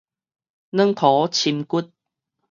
軟塗深掘